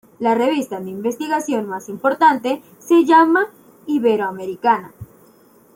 La revista de investigación más importante se llama "Iberoamericana.